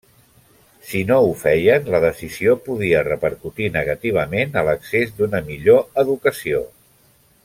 Si no ho feien, la decisió podia repercutir negativament a l'accés d'una millor educació.